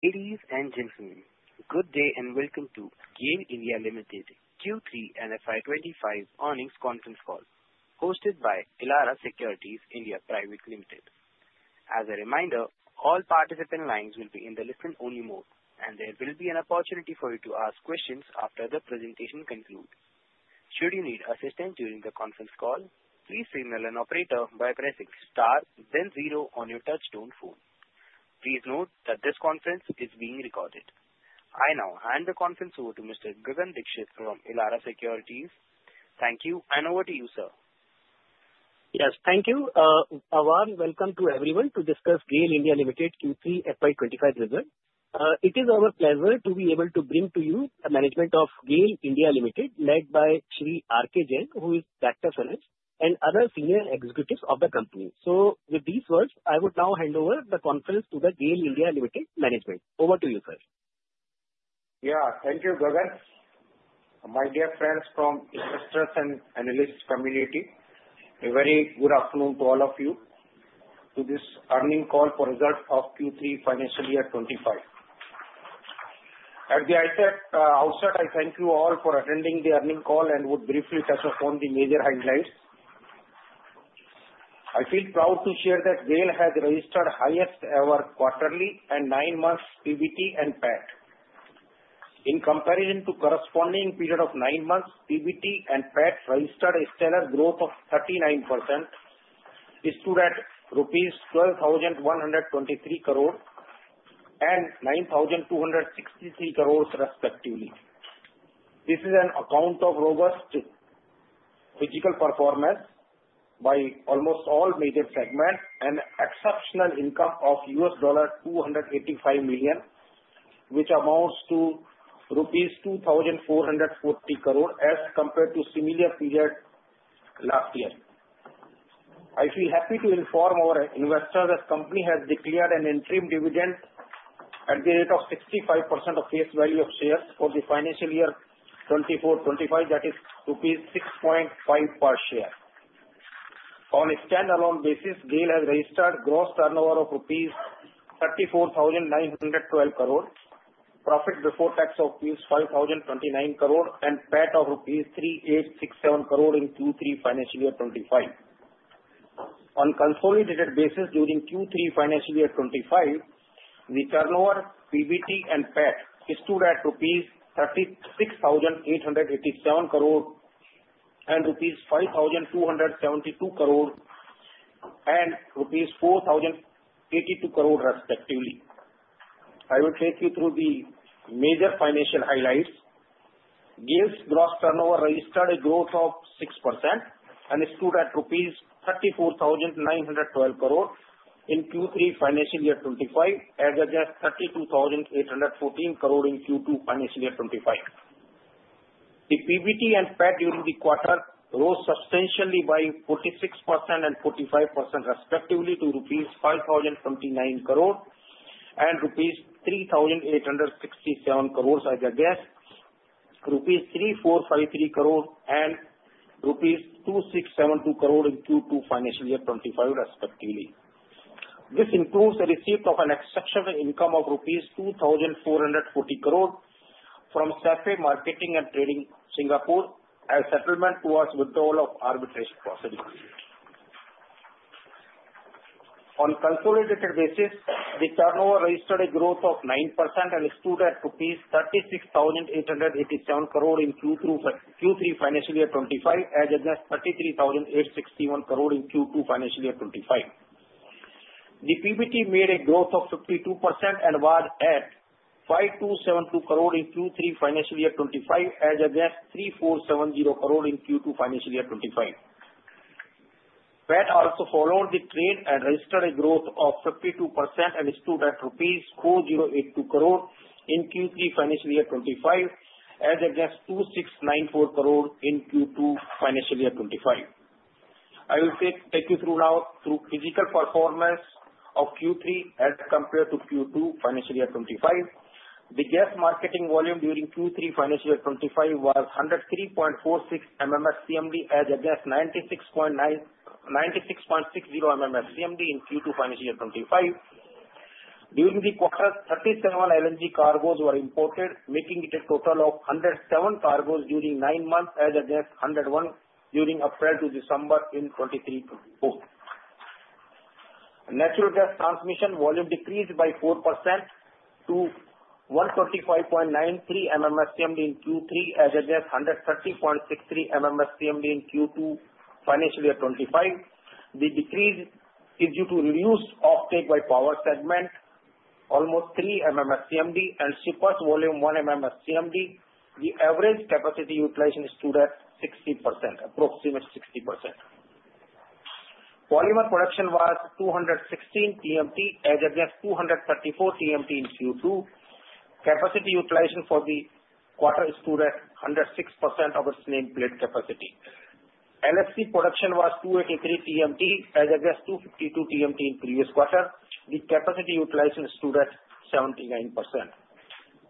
Ladies and gentlemen, good day and welcome to GAIL (India) Limited Q3 and FY 2025 Earnings Conference Call, hosted by Elara Securities India Pvt Ltd. As a reminder, all participant lines will be in the listen-only mode, and there will be an opportunity for you to ask questions after the presentation concludes. Should you need assistance during the conference call, please signal an operator by pressing star then zero on your touchstone phone. Please note that this conference is being recorded. I now hand the conference over to Mr. Gagan Dixit from Elara Securities. Thank you, and over to you, sir. Yes, thank you. A warm welcome to everyone to discuss GAIL (India) Limited Q3 FY 2025 result. It is our pleasure to be able to bring to you the management of GAIL (India) Limited, led by R.K. Jain, who is the Director (Finance) and other senior executives of the company. So, with these words, I would now hand over the conference to the GAIL (India) Limited management. Over to you, sir. Yeah, thank you, Gagan. My dear friends from investors and analyst community, a very good afternoon to all of you. To this earnings call for results of Q3 financial year 2025. At the outset, I thank you all for attending the earnings call and would briefly touch upon the major headlines. I feel proud to share that GAIL has registered highest ever quarterly and nine-month PBT and PAT. In comparison to the corresponding period of nine months, PBT and PAT registered a stellar growth of 39%, stood at rupees 12,123 crore and 9,263 crore respectively. This is on account of robust physical performance by almost all major segments and exceptional income of $285 million, which amounts to rupees 2,440 crore as compared to the similar period last year. I feel happy to inform our investors that the company has declared an interim dividend at the rate of 65% of face value of shares for the financial year 2024-2025, that is rupees 6.5 per share. On a standalone basis, GAIL has registered gross turnover of INR 34,912 crore, profit before tax of INR 5,029 crore, and PAT of INR 3,867 crore in Q3 financial year 2025. On a consolidated basis, during Q3 financial year 2025, the turnover, PBT, and PAT issued at rupees 36,887 crore and rupees 5,272 crore and rupees 4,082 crore respectively. I will take you through the major financial highlights. GAIL's gross turnover registered a growth of 6% and issued at rupees 34,912 crore in Q3 financial year 2025, at just 32,814 crore in Q2 financial year 2025. The PBT and PAT during the quarter rose substantially by 46% and 45% respectively to rupees 5,029 crore and rupees 3,867 crore, as against rupees 3,453 crore and rupees 2,672 crore in Q2 financial year 2025 respectively. This includes the receipt of an exceptional income of rupees 2,440 crore from SEFE Marketing and Trading Singapore as settlement towards withdrawal of arbitration proceedings. On a consolidated basis, the turnover registered a growth of 9% and stood at rupees 36,887 crore in Q3 financial year 2025, as against 33,861 crore in Q2 financial year 2025. The PBT posted a growth of 52% and was at 5,272 crore in Q3 financial year 2025, as against 3,470 crore in Q2 financial year 2025. PAT also followed the trend and registered a growth of 52% and issued at rupees 4,082 crore in Q3 financial year 2025, at just 2,694 crore in Q2 financial year 2025. I will take you through now physical performance of Q3 as compared to Q2 financial year 2025. The GAIL marketing volume during Q3 financial year 2025 was 103.46 MMSCMD, at just 96.60 MMSCMD in Q2 financial year 2025. During the quarter, 37 LNG cargoes were imported, making it a total of 107 cargoes during nine months, at just 101 during April to December in 2023-2024. Natural gas transmission volume decreased by 4% to 135.93 MMSCMD in Q3, at just 130.63 MMSCMD in Q2 financial year 2025. The decrease is due to reduced offtake by power segment, almost 3 MMSCMD, and surplus volume 1 MMSCMD. The average capacity utilization was at 60%, approximately 60%. Polymer production was 216 TMT, as just 234 TMT in Q2. Capacity utilization for the quarter was at 106% of its nameplate capacity. LHC production was 283 TMT, as just 252 TMT in previous quarter. The capacity utilization was at 79%.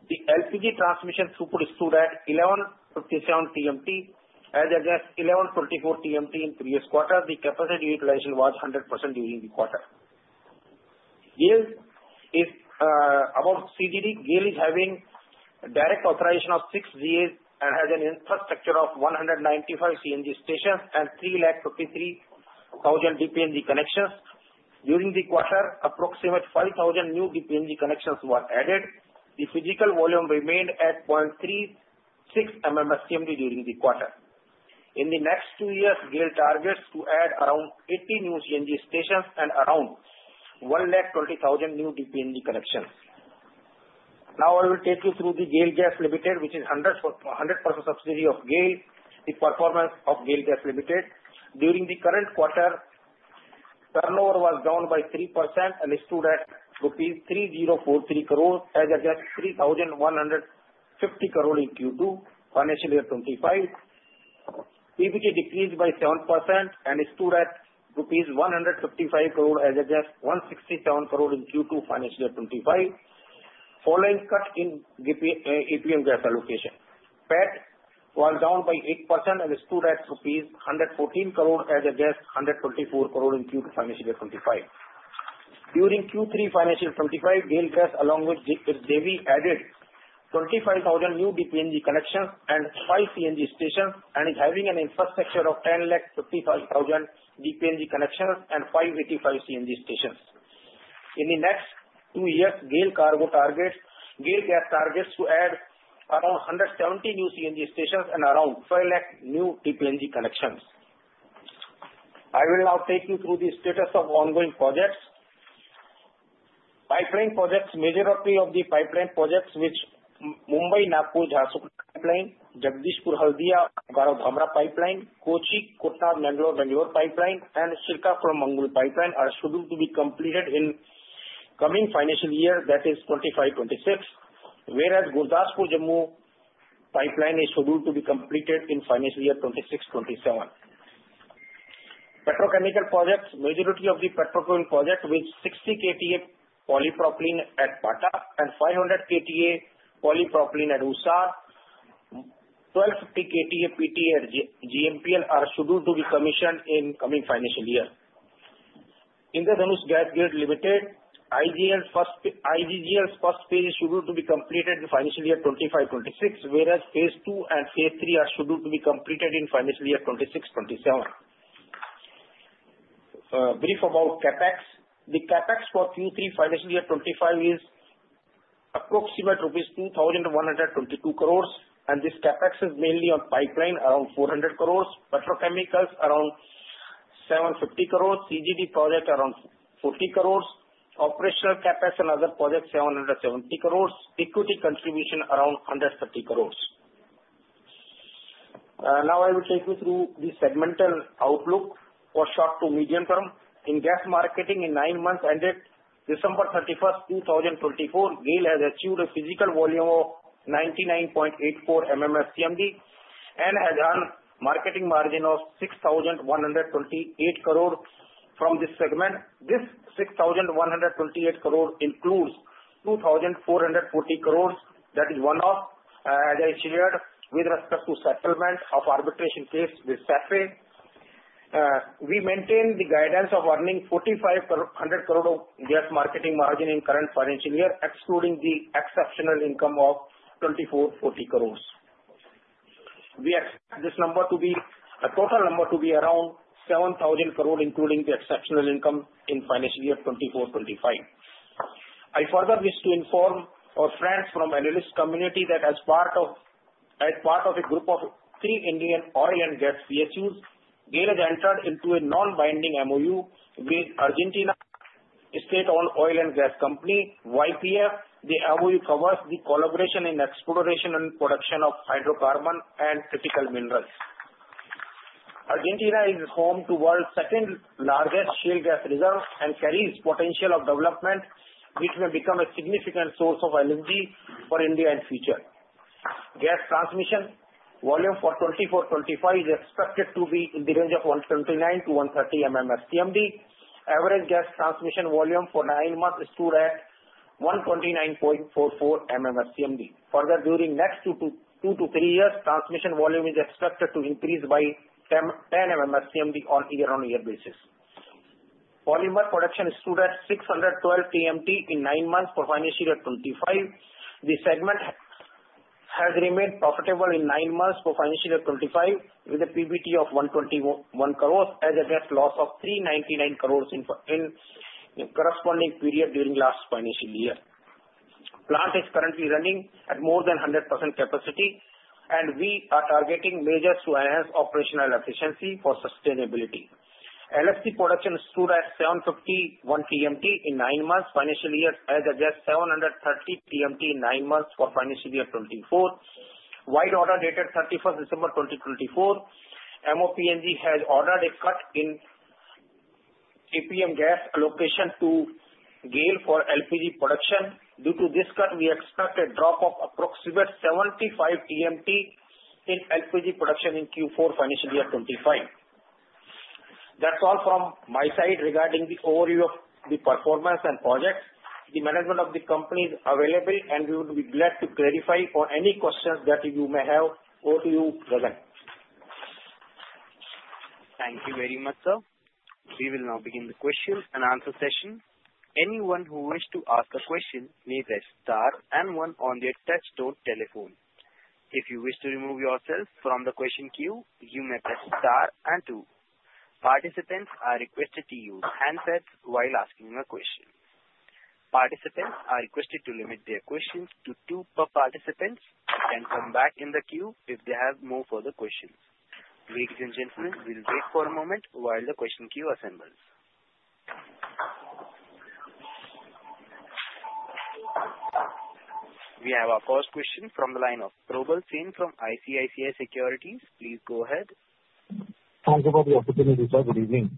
The LPG transmission throughput was at 1157 TMT, as just 1124 TMT in previous quarter. The capacity utilization was 100% during the quarter. GAIL is about CGD. GAIL is having direct authorization of six GAs and has an infrastructure of 195 CNG stations and 353,000 DPNG connections. During the quarter, approximately 5,000 new DPNG connections were added. The physical volume remained at 0.36 MMSCMD during the quarter. In the next two years, GAIL targets to add around 80 new CNG stations and around 120,000 new DPNG connections. Now, I will take you through the GAIL Gas Limited, which is 100% subsidiary of GAIL, the performance of GAIL Gas Limited. During the current quarter, turnover was down by 3% and stood at rupees 3,043 crore, as against 3,150 crore in Q2 financial year 2025. PBT decreased by 7% and stood at rupees 155 crore, as against 167 crore in Q2 financial year 2025, following cut in APM gas allocation. PAT was down by 8% and stood at rupees 114 crore, as against 124 crore in Q2 financial year 2025. During Q3 financial year 2025, GAIL Gas, along with its JVs, added 25,000 new DPNG connections and 5 CNG stations and is having an infrastructure of 10,550,000 DPNG connections and 585 CNG stations. In the next two years, GAIL Gas targets to add around 170 new CNG stations and around 500,000 new DPNG connections. I will now take you through the status of ongoing projects. Pipeline projects, majority of the pipeline projects, which Mumbai-Nagpur-Jharsuguda pipeline, Jagdishpur-Haldia-Bokaro-Dhamra pipeline, Kochi-Koottanad-Bangalore-Mangalore pipeline, and Srikakulam-Angul pipeline, are scheduled to be completed in the coming financial year, that is 2025-2026, whereas Gurdaspur-Jammu pipeline is scheduled to be completed in the financial year 2026-2027. Petrochemical projects, majority of the petrochemical projects with 60 KTA polypropylene at Pata and 500 KTA polypropylene at Usar, 1250 KTA PTA at GMPL are scheduled to be commissioned in the coming financial year. Indradhanush Gas Grid Limited, IGGL's first phase is scheduled to be completed in the financial year 2025-2026, whereas phase two and phase three are scheduled to be completed in the financial year 2026-2027. Brief about CapEx. The CapEx for Q3 financial year 2025 is approximately rupees 2,122 crore, and this CapEx is mainly on pipeline, around 400 crore, petrochemicals around 750 crore, CGD project around 40 crore, operational CapEx and other projects 770 crore, equity contribution around 130 crore. Now, I will take you through the segmental outlook for short to medium term. In GAIL marketing, in nine months, ended December 31st, 2024, GAIL has achieved a physical volume of 99.84 MMSCMD and has earned a marketing margin of 6,128 crore from this segment. This 6,128 crore includes 2,440 crore, that is one-off, as I shared with respect to settlement of arbitration case with SEFE. We maintain the guidance of earning 4,500 crore of GAIL marketing margin in the current financial year, excluding the exceptional income of 2,440 crore. We expect this number to be a total number to be around 7,000 crore, including the exceptional income in the financial year 2024-2025. I further wish to inform our friends from the analyst community that as part of a group of three Indian oil and gas PSUs, GAIL has entered into a non-binding MOU with Argentina State Oil and Gas Company (YPF). The MOU covers the collaboration in exploration and production of hydrocarbon and critical minerals. Argentina is home to the world's second-largest shale gas reserve and carries the potential of development, which may become a significant source of LNG for India in the future. Gas transmission volume for 2024-2025 is expected to be in the range of 129-130 MMSCMD. Average gas transmission volume for nine months issued at 129.44 MMSCMD. Further, during the next two to three years, transmission volume is expected to increase by 10 MMSCMD on a year-on-year basis. Polymer production stood at 612 TMT in nine months for the financial year 2025. The segment has remained profitable in nine months for the financial year 2025, with a PBT of 121 crore, as against a loss of 399 crore in the corresponding period during the last financial year. The plant is currently running at more than 100% capacity, and we are targeting measures to enhance operational efficiency for sustainability. LHC production stood at 751 TMT in nine months for the financial year 2025, as against 730 TMT in nine months for the financial year 2024. Vide order dated 31st December 2024, MOPNG has ordered a cut in APM gas allocation to GAIL for LPG production. Due to this cut, we expect a drop of approximate 75 TMT in LPG production in Q4 financial year 2025. That's all from my side regarding the overview of the performance and projects. The management of the company is available, and we would be glad to clarify any questions that you may have or you present. Thank you very much, sir. We will now begin the question and answer session. Anyone who wishes to ask a question may press star and one on their touch-tone telephone. If you wish to remove yourself from the question queue, you may press star and two. Participants are requested to use handsets while asking a question. Participants are requested to limit their questions to two per participant and come back in the queue if they have no further questions. Thank you for your attention. We'll wait for a moment while the question queue assembles. We have our first question from the line of Probal Sen from ICICI Securities. Please go ahead. Thank you for the opportunity, sir. Good evening.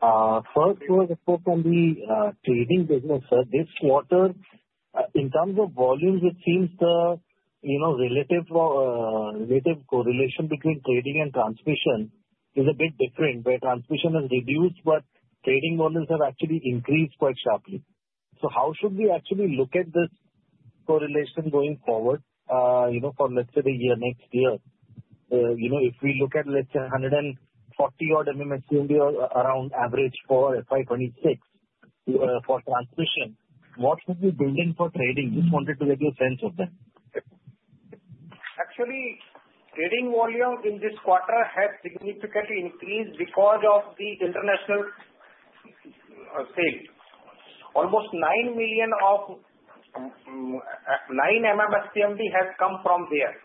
First, a question on the trading business, sir. This quarter, in terms of volumes, it seems the relative correlation between trading and transmission is a bit different, where transmission has reduced, but trading volumes have actually increased quite sharply. So how should we actually look at this correlation going forward for, let's say, the year next year? If we look at, let's say, 140-odd MMSCMD around average for FY 2026 for transmission, what should we build in for trading? Just wanted to get your sense of that. Actually, trading volume in this quarter has significantly increased because of the international sales. Almost 9 MMSCMD of the 9 MMSCMD has come from there.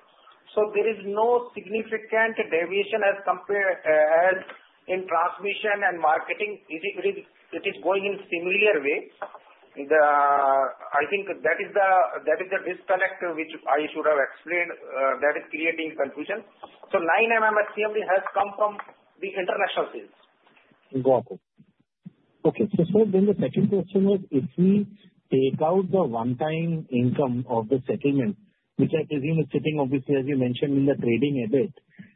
So there is no significant deviation as in transmission and marketing. It is going in a similar way. I think that is the disconnect which I should have explained that is creating confusion. So 9 MMS CMD has come from the international sales. Got it. Okay. So sir, then the second question was, if we take out the one-time income of the settlement, which I presume is sitting, obviously, as you mentioned in the trading EBIT,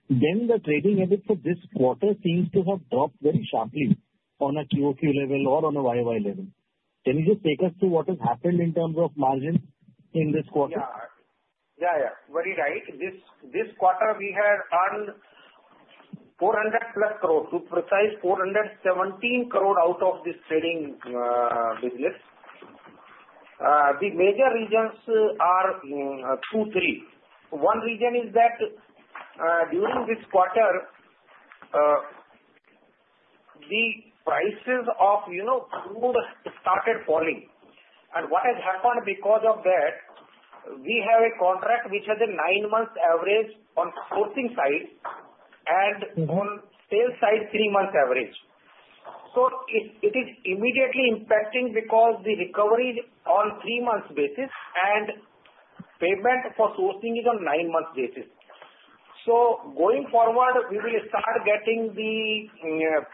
then the trading EBIT for this quarter seems to have dropped very sharply on a QOQ level or on a YY level. Can you just take us through what has happened in terms of margin in this quarter? Yeah. Yeah. Yeah. Very right. This quarter, we had earned 400+ crore, to be precise 417 crore out of this trading business. The major reasons are two, three. One reason is that during this quarter, the prices of crude started falling, and what has happened because of that, we have a contract which has a nine-month average on sourcing side and on sales side three-month average, so it is immediately impacting because the recovery is on a three-month basis and payment for sourcing is on a nine-month basis, so going forward, we will start getting the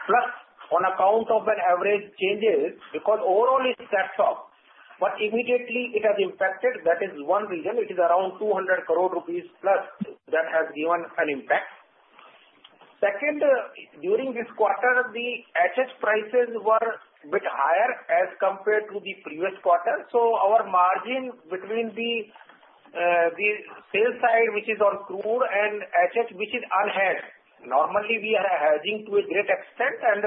plus on account of an average changes because overall it's set off, but immediately, it has impacted. That is one reason. It is around 200 crore rupees plus that has given an impact. Second, during this quarter, the HH prices were a bit higher as compared to the previous quarter, so our margin between the sales side, which is on crude, and HH, which is unhedged. Normally, we are hedging to a great extent, and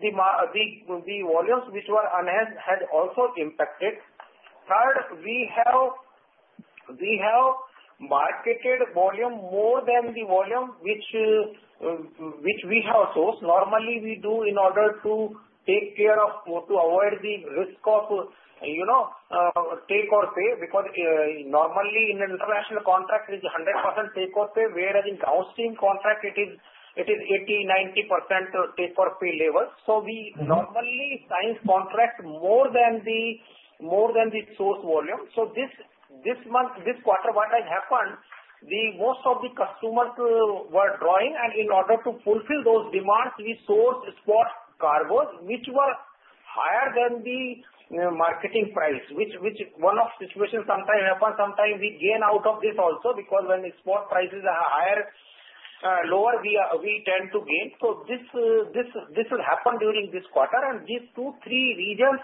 the volumes which were unhedged had also impacted. Third, we have marketed volume more than the volume which we have sourced. Normally, we do in order to take care of or to avoid the risk of take or pay because normally in an international contract, it is 100% take or pay, whereas in downstream contract, it is 80%-90% take or pay level. So we normally sign contract more than the source volume. So this quarter, what has happened, most of the customers were drawing, and in order to fulfill those demands, we sourced spot cargo, which were higher than the marketing price, which one of situations sometimes happens, sometimes we gain out of this also because when the spot prices are higher, lower, we tend to gain. So this has happened during this quarter, and these two, three regions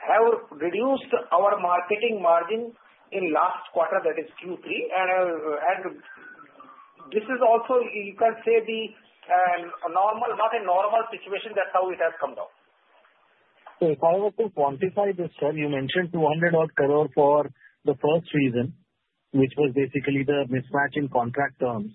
have reduced our marketing margin in the last quarter, that is Q3. This is also, you can say, not a normal situation. That's how it has come down. If I were to quantify this, sir, you mentioned 200 crore or so for the first reason, which was basically the mismatch in contract terms.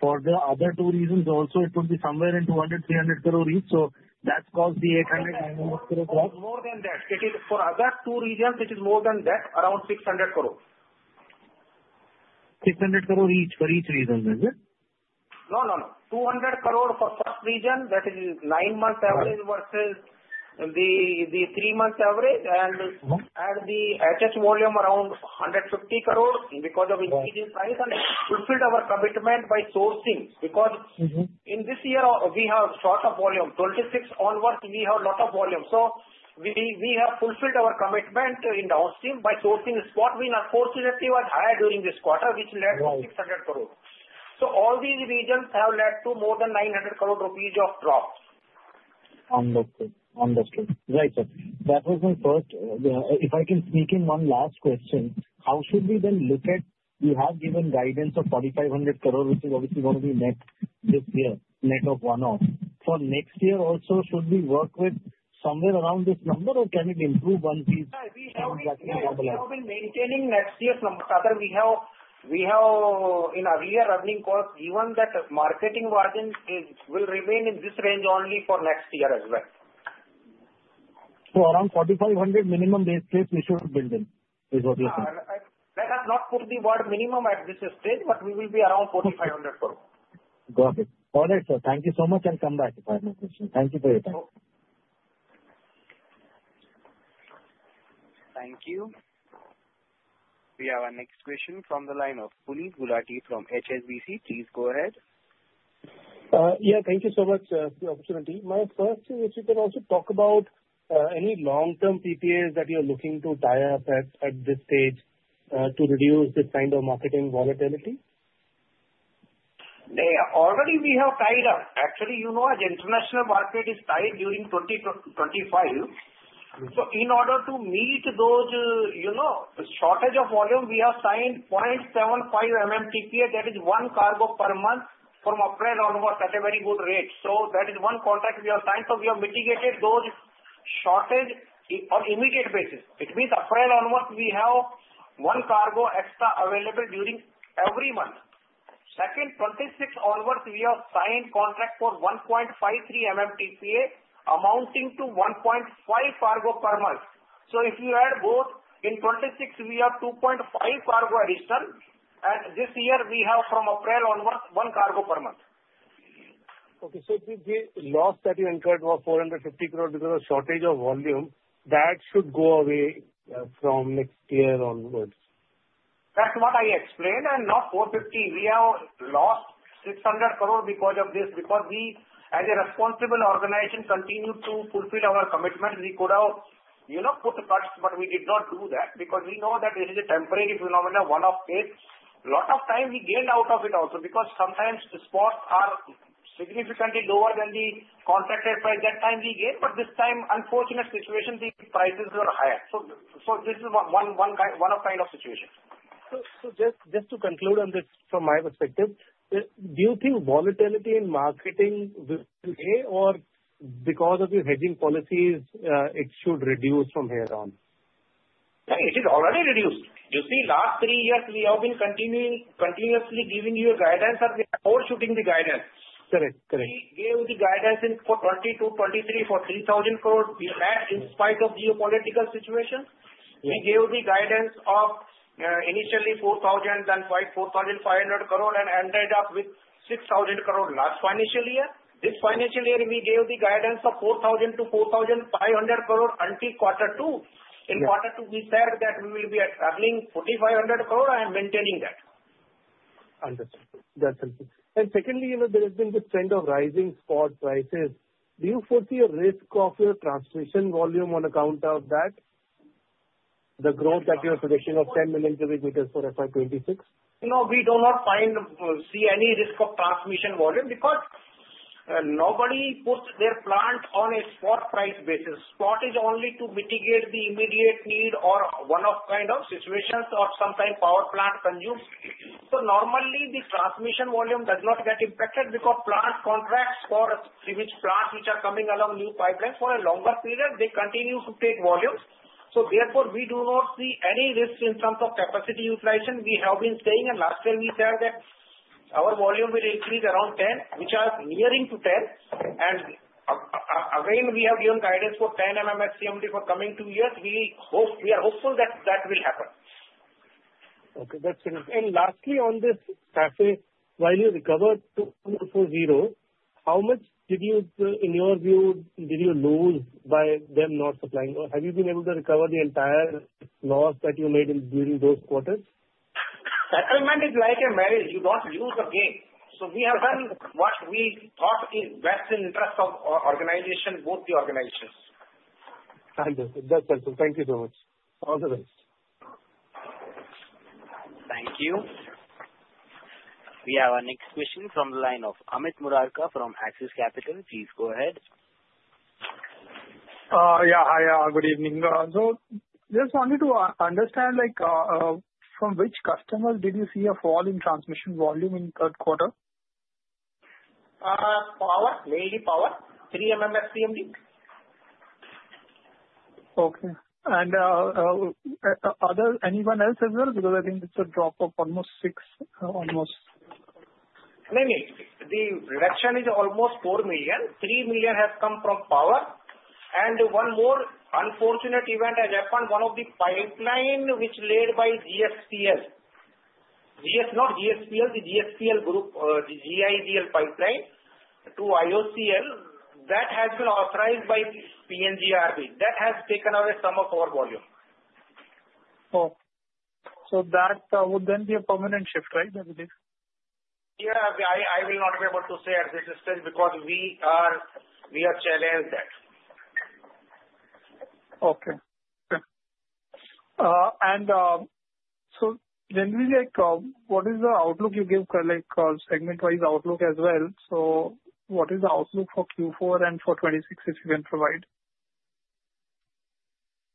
For the other two reasons also, it would be somewhere in 200-300 crore each. So that's caused the 800 crore drop. More than that. For other two regions, it is more than that, around 600 crore. 600 crore each for each region, is it? No, no, no. 200 crore for the first region, that is nine-month average versus the three-month average, and the HH volume around 150 crore because of increasing price and fulfilled our commitment by sourcing because in this year, we have short of volume. 2026 onwards, we have a lot of volume. So we have fulfilled our commitment in downstream by sourcing spot. We unfortunately were higher during this quarter, which led to 600 crore. So all these regions have led to more than 900 crore rupees of drop. Understood. Understood. Right, sir. That was my first. If I can sneak in one last question, how should we then look at? You have given guidance of 4,500 crore, which is obviously going to be net this year, net of one-off. For next year also, should we work with somewhere around this number, or can it improve once we have that? We have been maintaining next year's number. Sir, we have in our year-end earnings call given that marketing margin will remain in this range only for next year as well. So around 4,500 minimum base case we should have built in, is what you're saying? Let us not put the word minimum at this stage, but we will be around 4,500 crore. Got it. All right, sir. Thank you so much and come back if I have any questions. Thank you for your time. Thank you. We have our next question from the line of Puneet Gulati from HSBC. Please go ahead. Yeah. Thank you so much for the opportunity. My first is, if you can also talk about any long-term PPAs that you're looking to tie up at this stage to reduce this kind of marketing volatility? Already, we have tied up. Actually, as international market is tied during 2025, so in order to meet those shortage of volume, we have signed 0.75 TPA, that is one cargo per month from April onwards at a very good rate. So that is one contract we have signed. So we have mitigated those shortage on an immediate basis. It means April onwards, we have one cargo extra available during every month. Second, from 2026 onwards, we have signed contract for 1.53 TPA amounting to 1.5 cargo per month. So if you add both, in 2026, we have 2.5 cargo additional. This year, we have from April onwards, one cargo per month. Okay. The loss that you incurred was 450 crore because of shortage of volume. That should go away from next year onwards. That's what I explained, and not 450 crore. We have lost 600 crore because of this because we, as a responsible organization, continue to fulfill our commitment. We could have put cuts, but we did not do that because we know that this is a temporary phenomenon, one-off case. A lot of times, we gained out of it also because sometimes spots are significantly lower than the contracted price. At that time we gained. This time, unfortunate situation, the prices were higher. This is one of kind of situations. Just to conclude on this from my perspective, do you think volatility in marketing will stay, or because of your hedging policies, it should reduce from here on? It is already reduced. You see, last three years, we have been continuously giving you guidance, and we are fulfilling the guidance. Correct. Correct. We gave the guidance for 2022, 2023 for 3,000 crore. We met in spite of geopolitical situations. We gave the guidance of initially 4,500 crore and ended up with 6,000 crore last financial year. This financial year, we gave the guidance of 4,000-4,500 crore until quarter two. In quarter two, we said that we will be targeting 4,500 crore and maintaining that. Understood. That's helpful. And secondly, there has been this trend of rising spot prices. Do you foresee a risk of your transmission volume on account of that, the growth that you are predicting of 10 million cubic meters for FY 2026? No, we do not see any risk of transmission volume because nobody puts their plant on a spot price basis. Spot is only to mitigate the immediate need or one-off kind of situations or sometimes power plants consume. So normally, the transmission volume does not get impacted because plant contracts for which plants which are coming along new pipelines for a longer period, they continue to take volume. So therefore, we do not see any risk in terms of capacity utilization. We have been saying, and last year, we said that our volume will increase around 10, which are nearing to 10. And again, we have given guidance for 10 MMSCMD for coming two years. We are hopeful that that will happen. Okay. That's good. And lastly, on this passage, while you recovered 2.40, how much did you, in your view, did you lose by them not supplying? Have you been able to recover the entire loss that you made during those quarters? Settlement is like a marriage. You don't lose or gain. So we have done what we thought is best in interest of organization, both the organizations. Understood. That's helpful. Thank you so much. All the best. Thank you. We have our next question from the line of Amit Murarka from Axis Capital. Please go ahead. Yeah. Hi. Good evening. So just wanted to understand, from which customers did you see a fall in transmission volume in third quarter? Power, mainly power, 3 MMS CMD. Okay. And anyone else as well? Because I think it's a drop of almost 6, almost. No, no. The reduction is almost 4 million. 3 million has come from power. And one more unfortunate event has happened. One of the pipeline which led by GSPL, not GSPL, the GSPL group, the GIGL pipeline to IOCL, that has been authorized by PNGRB. That has taken away some of our volume. Okay. So that would then be a permanent shift, right, I believe? Yeah. I will not be able to say at this stage because we are challenged that. Okay. Okay. And so generally, what is the outlook you give? Segment-wise outlook as well. So what is the outlook for Q4 and for 2026, if you can provide?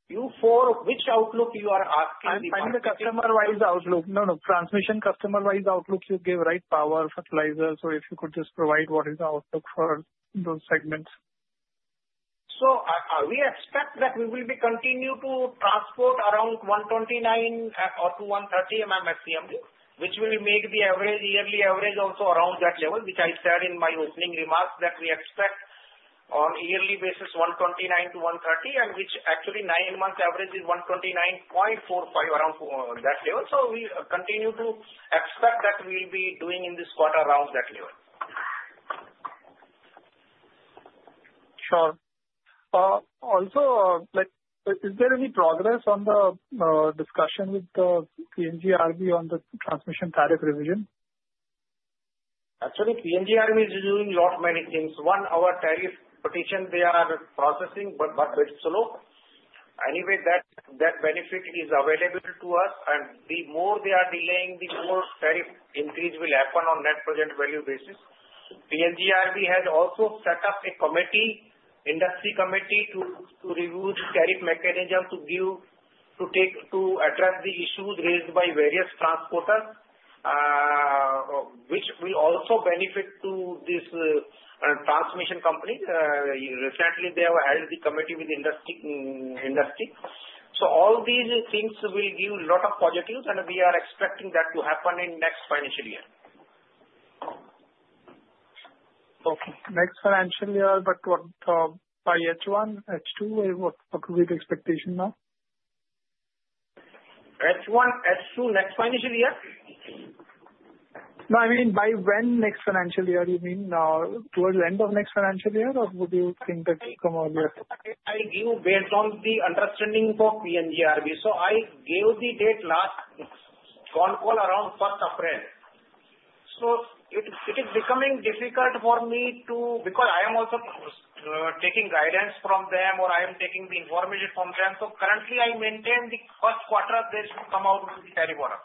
Q4, which outlook you are asking? I'm trying to customer-wise outlook. No, no. Transmission customer-wise outlook you gave, right? Power, fertilizer. So if you could just provide what is the outlook for those segments. So we expect that we will continue to transport around 129 to 130 MMS CMD, which will make the yearly average also around that level, which I said in my opening remarks that we expect on yearly basis 129 to 130, and which actually nine-month average is 129.45, around that level. So we continue to expect that we'll be doing in this quarter around that level. Sure. Also, is there any progress on the discussion with PNGRB on the transmission tariff revision? Actually, PNGRB is doing a lot of many things. One, our tariff petition, they are processing, but it's slow. Anyway, that benefit is available to us. And the more they are delaying, the more tariff increase will happen on net present value basis. PNGRB has also set up a committee, industry committee, to review the tariff mechanism to address the issues raised by various transporters, which will also benefit this transmission company. Recently, they have held the committee with industry. So all these things will give a lot of positives, and we are expecting that to happen in next financial year. Okay. Next financial year, but by H1, H2, what would be the expectation now? H1, H2, next financial year? No, I mean, by when next financial year? Do you mean towards the end of next financial year, or would you think that come earlier? I give based on the understanding for PNGRB. So I gave the date last con call around 1st April. So it is becoming difficult for me to because I am also taking guidance from them or I am taking the information from them. So currently, I maintain the first quarter base to come out with the tariff order.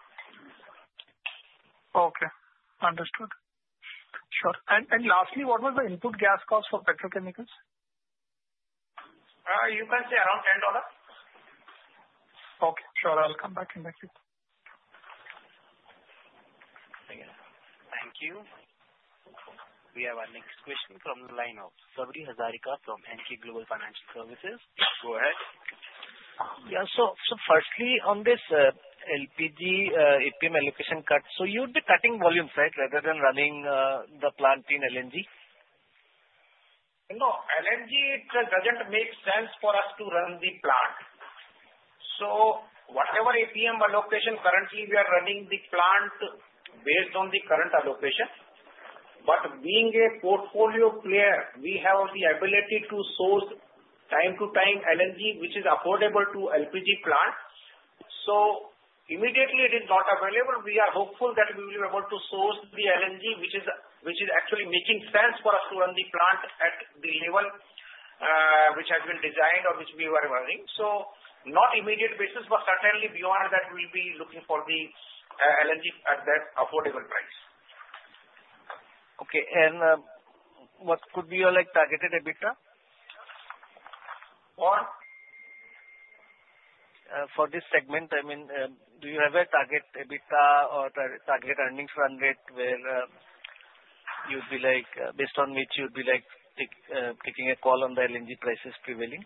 Okay. Understood. Sure. And lastly, what was the input gas cost for petrochemicals? You can say around $10. Okay. Sure. I'll come back and ask you. Thank you. We have our next question from the line of Sabri Hazarika from Emkay Global Financial Services. Go ahead. Yeah. So firstly, on this LPG APM allocation cut, so you would be cutting volumes, right, rather than running the plant in LNG? No, LNG, it doesn't make sense for us to run the plant. So whatever APM allocation, currently, we are running the plant based on the current allocation. But being a portfolio player, we have the ability to source time to time LNG, which is affordable to LPG plant. So immediately, it is not available. We are hopeful that we will be able to source the LNG, which is actually making sense for us to run the plant at the level which has been designed or which we were running. So not immediate basis, but certainly, beyond that, we'll be looking for the LNG at that affordable price. Okay. And what could be your targeted EBITDA? For? For this segment, I mean, do you have a target EBITDA or target earnings run rate where you'd be based on which you'd be taking a call on the LNG prices prevailing?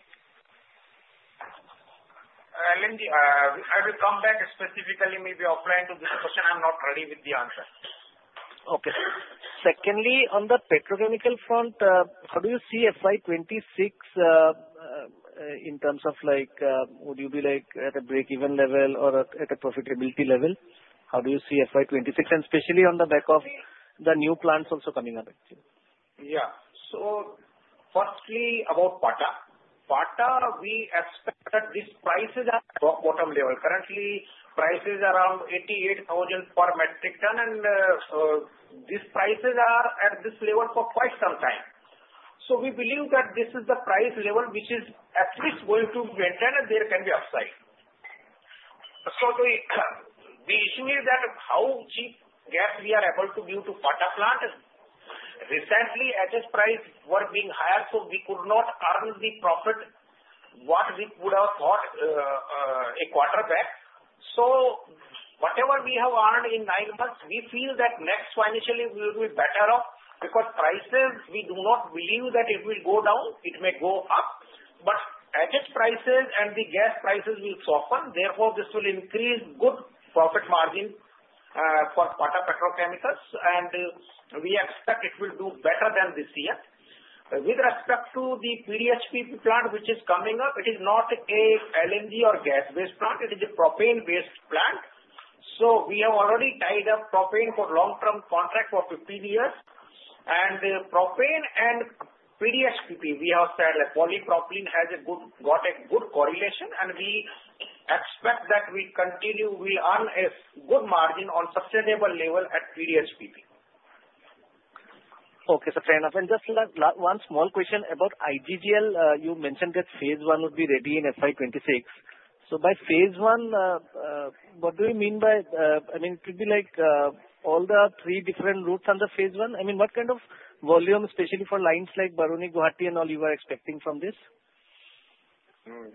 I will come back specifically maybe offline to this question. I'm not ready with the answer. Okay. Secondly, on the petrochemical front, how do you see FY 2026 in terms of would you be at a break-even level or at a profitability level? How do you see FY 2026, and especially on the back of the new plants also coming up? Yeah. So firstly, about Pata. Pata, we expect that these prices are at bottom level. Currently, prices are around 88,000 per metric ton, and these prices are at this level for quite some time. So we believe that this is the price level which is at least going to maintain and there can be upside. So the issue is that how cheap gas we are able to give to Pata plant. Recently, at this price, we're being hit, so we could not earn the profit what we would have thought a quarter back. So whatever we have earned in nine months, we feel that next financial year we will be better off because prices, we do not believe that it will go down. It may go up, but at these prices and the gas prices will soften. Therefore, this will increase good profit margin for Pata petrochemicals, and we expect it will do better than this year. With respect to the PDHPP plant, which is coming up, it is not an LNG or gas-based plant. It is a propane-based plant. So we have already tied up propane for long-term contract for 15 years. And propane and PDHPP, we have said that polypropylene has got a good correlation, and we expect that we continue will earn a good margin on sustainable level at PDHPP. Okay. So fair enough. And just one small question about IGGL. You mentioned that phase one would be ready in FY 2026. So by phase one, what do you mean by I mean, it would be all the three different routes under phase one? I mean, what kind of volume, especially for lines like Barauni, Guwahati, and all over, expecting from this?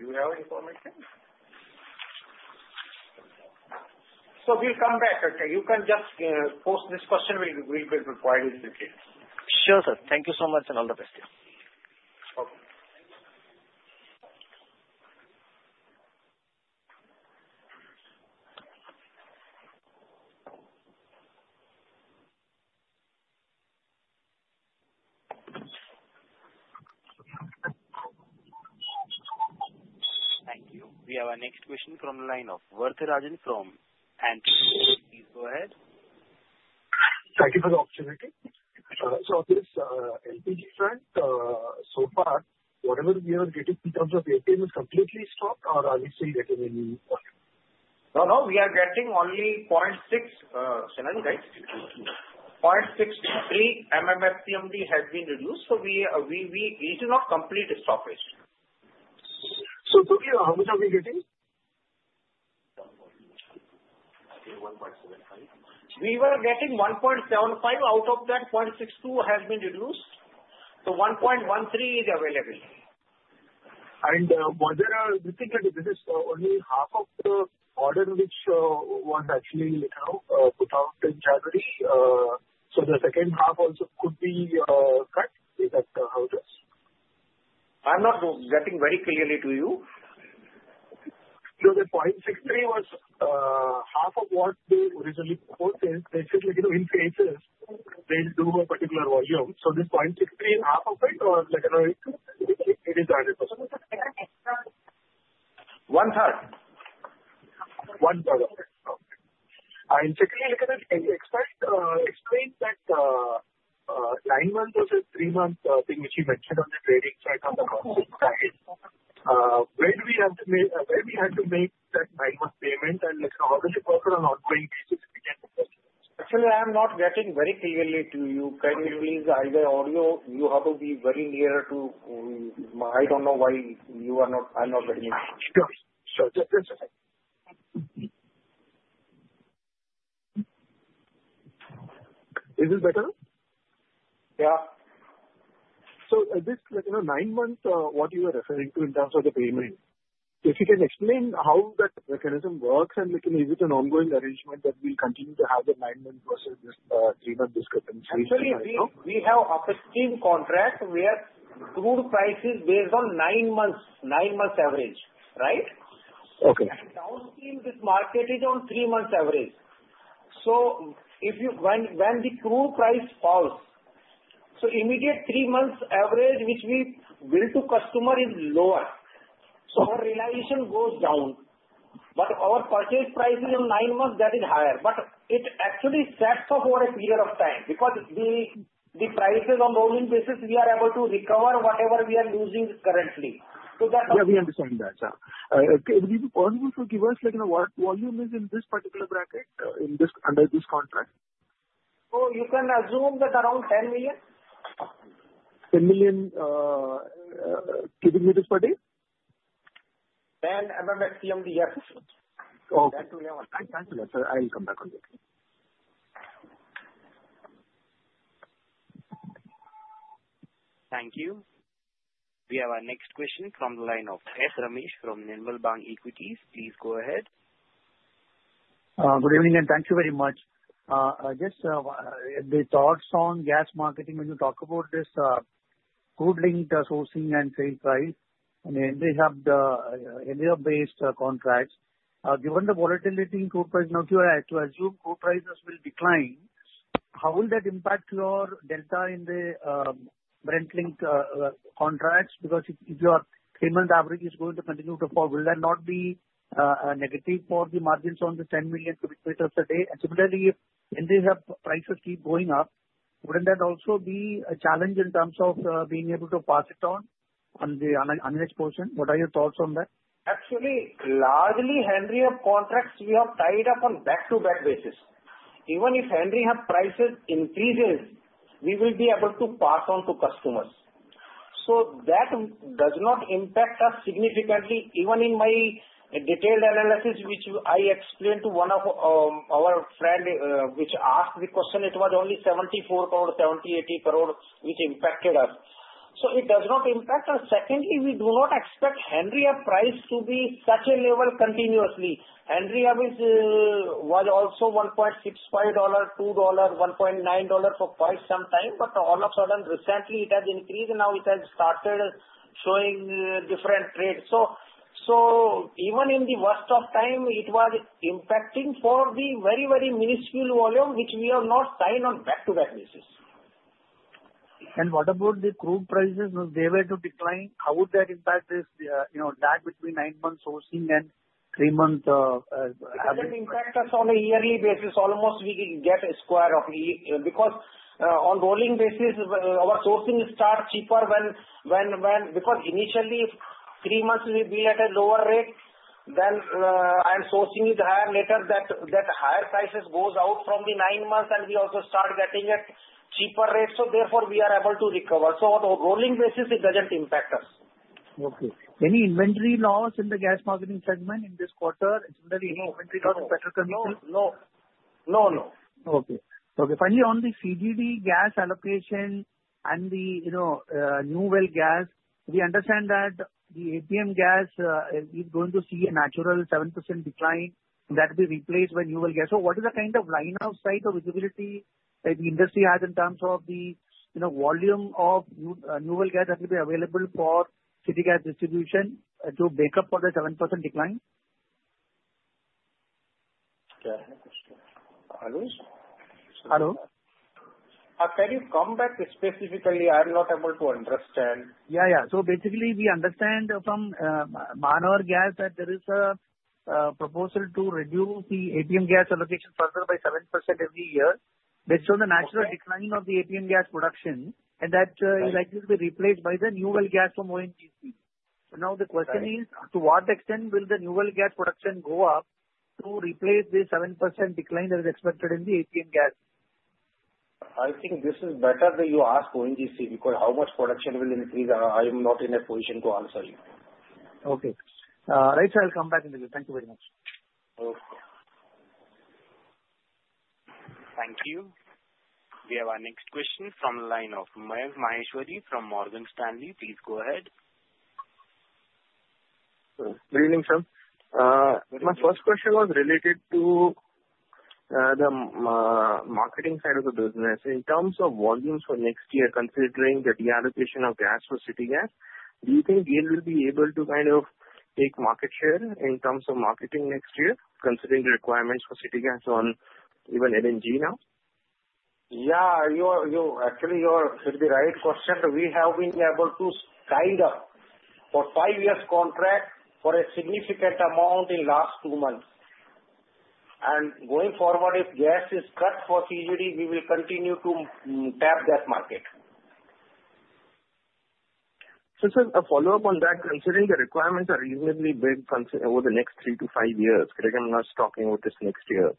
Do you have information? So we'll come back. You can just post this question. We'll be required if you can. Sure, sir. Thank you so much and all the best. Okay. Thank you. We have our next question from the line of Varatharajan Sivasankaran from Antique Stock Broking. Please go ahead. Thank you for the opportunity. So this LPG plant, so far, whatever we are getting in terms of APM is completely stopped, or are we still getting any volume? No, no. We are getting only 0.6. MMSCMD, right? 0.63 MMSCMD has been reduced, so it is not complete stoppage. So how much are we getting? 1.75. We were getting 1.75. Out of that, 0.62 has been reduced. So 1.13 is available. Was there a, this is only half of the order which was actually put out in January. So the second half also could be cut. Is that how it is? I'm not getting very clearly to you. So the 0.63 was half of what they originally quoted. Basically, in phases, they'll do a particular volume. So this 0.63 is half of it, or it is 100%? One-third. One-third. Okay. Secondly, explain that nine months versus three months thing which you mentioned on the trading side on the console side. When we had to make that nine-month payment and already worked on an ongoing basis, we can. Actually, I'm not getting very clearly to you. Can you please either audio? You have to be very near to, I don't know why you are not, I'm not getting it. Sure. Sure. That's okay. Is it better? Yeah. So this nine months, what you were referring to in terms of the payment, if you can explain how that mechanism works and is it an ongoing arrangement that we'll continue to have the nine-month versus three-month discrepancy? Actually, we have a 15 contract where crude price is based on nine months, nine-month average, right? Okay. And downstream, this market is on three-month average. So when the crude price falls, so immediate three-month average which we build to customer is lower. So our realization goes down. But our purchase price is on nine months, that is higher. But it actually sets off for a period of time because the prices on rolling basis, we are able to recover whatever we are losing currently. So that's. Yeah, we understand that. Can you possibly give us what volume is in this particular bracket under this contract? So you can assume that around 10 million. 10 million cubic meters per day? 10 MMS CMD, yes. Okay. Thank you very much. I'll come back on that. Thank you. We have our next question from the line of S. Ramesh from Nirmal Bang Equities. Please go ahead. Good evening and thank you very much. Just the thoughts on gas marketing when you talk about this crude-linked sourcing and sale price, and they have the area-based contracts. Given the volatility in crude price, now to assume crude prices will decline, how will that impact your delta in the Brent-linked contracts? Because if your payment average is going to continue to fall, will that not be negative for the margins on the 10 million cubic meters a day? Similarly, if they have prices keep going up, wouldn't that also be a challenge in terms of being able to pass it on on the unhedged portion? What are your thoughts on that? Actually, largely, Henry Hub contracts we have tied up on back-to-back basis. Even if Henry Hub prices increases, we will be able to pass on to customers. So that does not impact us significantly. Even in my detailed analysis, which I explained to one of our friends which asked the question, it was only 74 crore, 70-80 crore which impacted us. So it does not impact us. Secondly, we do not expect Henry Hub price to be such a level continuously. Henry Hub was also $1.65, $2, $1.9 for quite some time, but all of a sudden, recently, it has increased and now it has started showing different trend. So even in the worst of time, it was impacting for the very, very minuscule volume which we are not tying on back-to-back basis. And what about the crude prices? They were to decline. How would that impact this lag between nine-month sourcing and three-month? It will impact us on a yearly basis. Almost we get a square of because on rolling basis, our sourcing starts cheaper when because initially, three months, we'll be at a lower rate, then I'm sourcing it higher. Later, that higher prices goes out from the nine months and we also start getting at cheaper rates. So therefore, we are able to recover. So on a rolling basis, it doesn't impact us. Okay. Any inventory loss in the gas marketing segment in this quarter? Any inventory loss in petrochemicals? No. No. No. No. Okay. Okay. Finally, on the CGD gas allocation and the new well gas, we understand that the APM gas is going to see a natural 7% decline that will be replaced by new well gas. So what is the kind of line of sight or visibility the industry has in terms of the volume of new well gas that will be available for city gas distribution to make up for the 7% decline? Can you come back specifically? I'm not able to understand. Yeah. Yeah. So basically, we understand from Mahanagar Gas that there is a proposal to reduce the APM gas allocation further by 7% every year based on the natural decline of the APM gas production and that it will be replaced by the new well gas from ONGC. Now, the question is, to what extent will the new well gas production go up to replace the 7% decline that is expected in the APM gas? I think this is better than you ask ONGC because how much production will increase? I am not in a position to answer you. Okay. All right. I'll come back on that. Thank you very much. Okay. Thank you. We have our next question from the line of Mayank Maheshwari from Morgan Stanley. Please go ahead. Good evening, sir. My first question was related to the marketing side of the business. In terms of volumes for next year, considering the deallocation of gas for city gas, do you think GAIL will be able to kind of take market share in terms of marketing next year, considering the requirements for city gas on even LNG now? Yeah. Actually, it's the right question. We have been able to tied up for five-year contract for a significant amount in the last two months, and going forward, if gas is cut for CGD, we will continue to tap that market. So, sir, a follow-up on that, considering the requirements are reasonably big over the next three to five years, I'm not stuck with this next year.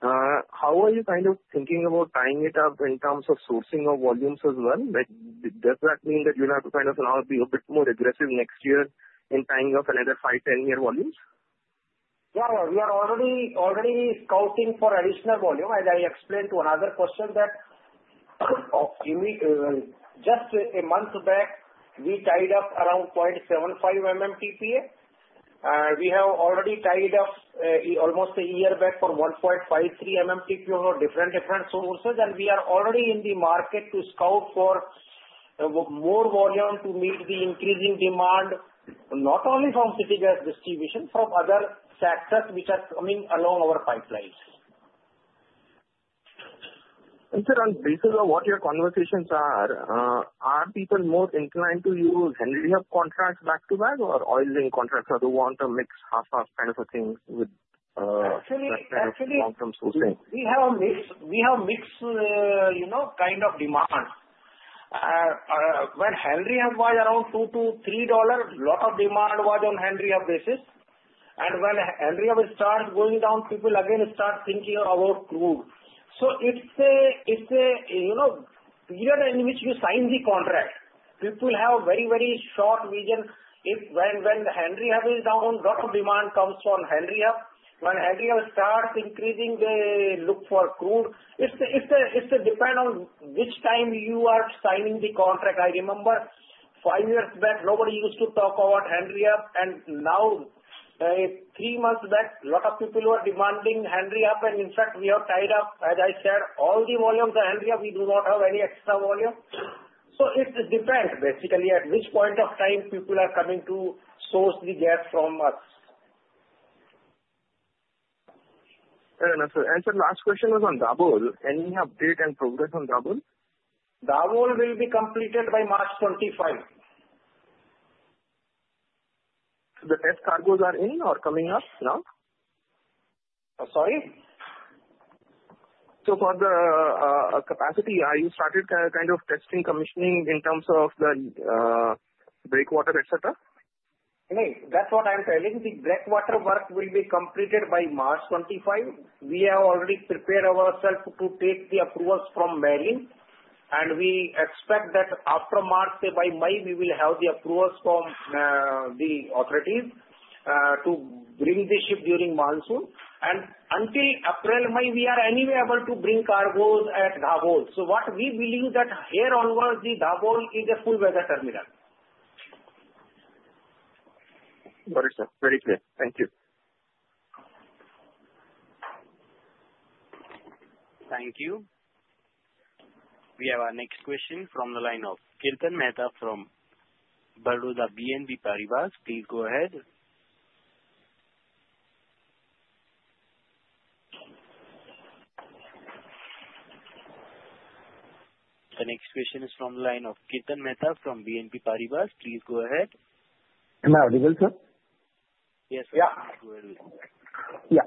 How are you kind of thinking about tying it up in terms of sourcing of volumes as well? Does that mean that you'll have to kind of now be a bit more aggressive next year in tying up another five, 10-year volumes? Yeah. We are already scouting for additional volume. As I explained to another question, that just a month back, we tied up around 0.75 MMTPA. We have already tied up almost a year back for 1.53 MMTPA for different, different sources, and we are already in the market to scout for more volume to meet the increasing demand, not only from city gas distribution, from other sectors which are coming along our pipelines. Sir, on basis of what your conversations are, are people more inclined to use Henry Hub contracts back-to-back or oil-linked contracts? I don't want to mix half-half kind of a thing with long-term sourcing. Actually, we have mixed kind of demand. When Henry Hub was around $2-$3, a lot of demand was on Henry Hub basis. And when Henry Hub started going down, people again start thinking about crude. So it's a period in which you sign the contract. People have a very, very short vision. When Henry Hub is down, a lot of demand comes from Henry Hub. When Henry Hub starts increasing, they look for crude. It depends on which time you are signing the contract. I remember five years back, nobody used to talk about Henry Hub. And now, three months back, a lot of people were demanding Henry Hub. And in fact, we have tied up, as I said, all the volumes are Henry Hub. We do not have any extra volume. So it depends, basically, at which point of time people are coming to source the gas from us. And sir, last question was on Dabhol. Any update and progress on Dabhol? Dabhol will be completed by March 2025. So the test cargoes are in or coming up now? Sorry? So for the capacity, are you started kind of testing commissioning in terms of the breakwater, etc.? That's what I'm telling. The breakwater work will be completed by March 2025. We have already prepared ourselves to take the approvals from Marine. And we expect that after March, by May, we will have the approvals from the authorities to bring the ship during monsoon. And until April, May, we are anyway able to bring cargoes at Dabhol. So what we believe that here onwards, the Dabhol is a full-weather terminal. Very clear. Very clear. Thank you. Thank you. We have our next question from the line of Kirtan Mehta from Baroda BNP Paribas. Please go ahead. The next question is from the line of Kirtan Mehta from BNP Paribas. Please go ahead. Am I audible, sir? Yes, sir. Yeah.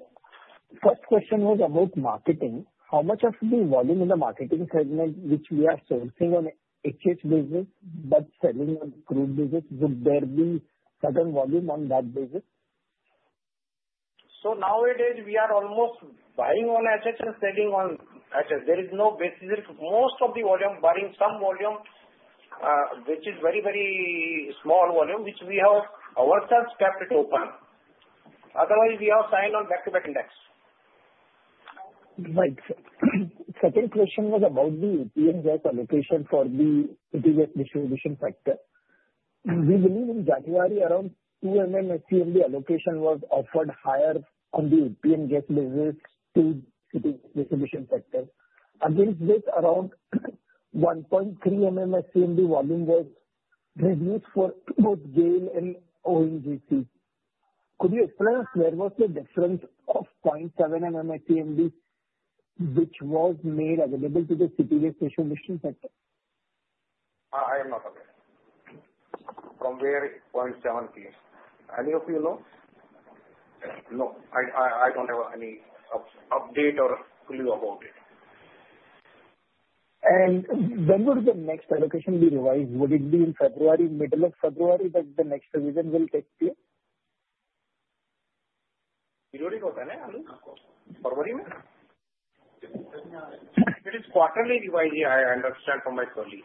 First question was about marketing. How much of the volume in the marketing segment which we are sourcing on HH business but selling on crude business, would there be certain volume on that basis? So nowadays, we are almost buying on HH and selling on HH. There is no basis. Most of the volume buying some volume, which is very, very small volume, which we have ourselves kept open. Otherwise, we have signed on back-to-back index. Second question was about the APM gas allocation for the city gas distribution sector. We believe in January, around 2 MMSCMD allocation was offered higher on the APM gas business to city gas distribution sector. Against this, around 1.3 MMSCMD volume was reduced for both GAIL and ONGC. Could you explain us where was the difference of 0.7 MMSCMD which was made available to the city gas distribution sector? I am not aware. From where 0.7 is? Any of you know? No. I don't have any update or clue about it. When would the next allocation be revised? Would it be in February, middle of February, that the next revision will take place? February goes anywhere? February? It is quarterly revised, I understand from my colleagues.